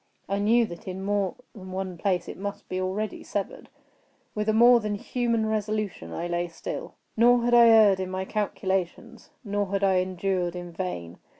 I knew that in more than one place it must be already severed. With a more than human resolution I lay still. Nor had I erred in my calculations—nor had I endured in vain.